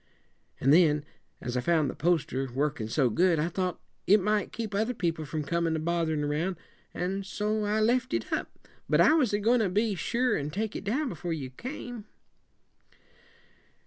An' then, as I found the poster worked so good, I thought it might keep other people from comin' a botherin' around, and so I left it up; but I was a goin' to be sure and take it down before you came."